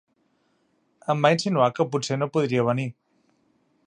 Em va insinuar que potser no podria venir.